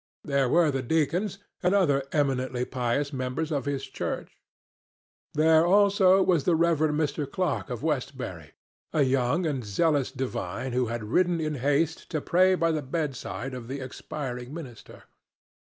There were the deacons and other eminently pious members of his church. There, also, was the Reverend Mr. Clark of Westbury, a young and zealous divine who had ridden in haste to pray by the bedside of the expiring minister.